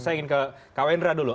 saya ingin ke kak wendra dulu